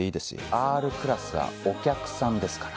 Ｒクラスはお客さんですから。